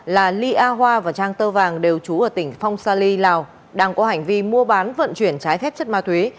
là ly a hoa và trang tơ vàng đều trú ở tỉnh phong sa ly lào đang có hành vi mua bán vận chuyển trái phép chất ma túy